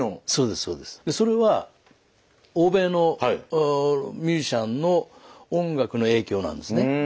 それは欧米のミュージシャンの音楽の影響なんですね。